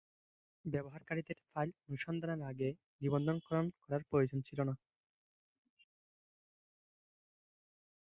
ব্যবহারকারীদের ফাইল অনুসন্ধানের আগে নিবন্ধকরণ করার প্রয়োজন ছিল না।